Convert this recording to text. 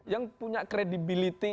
yang punya credibility